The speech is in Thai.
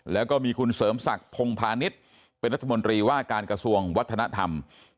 แล้วก็มีคุณเสริมศักดิ์พงพาณิชย์เป็นรัฐมนตรีว่าการกระทรวงวัฒนธรรม